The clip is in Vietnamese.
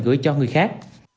gửi cho người khác